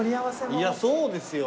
いやそうですよ。